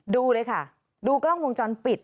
ดูเลยค่ะดูกล้องวงจรปิด